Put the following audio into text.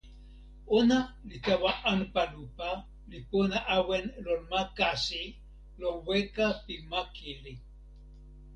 ona li tawa anpa lupa, li pona awen lon ma kasi, lon weka pi ma kili.